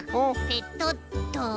ペトッと。